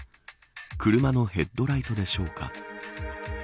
車のヘッドライトでしょうか。